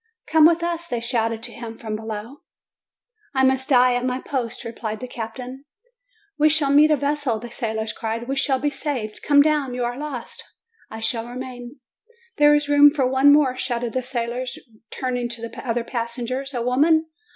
"Come with us!" they shouted to him from below. "I must die at my post," replied the captain. "We shall meet a vessel," the sailors cried; "we shall be saved! Come down! you are lost!" "I shall remain." "There is room for one more !" shouted the sailors, turning to the other passengers. "A woman!"